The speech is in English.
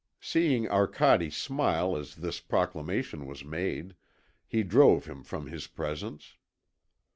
Seeing Arcade smile as this proclamation was made, he drove him from his presence.